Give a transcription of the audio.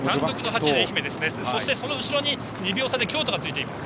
その後ろに２秒差で京都がついています。